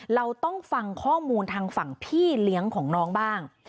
เราต้องฟังข้อมูลทางฝั่งพี่เลี้ยงของน้องบ้าง